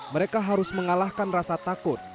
mereka harus mengalahkan rasa takut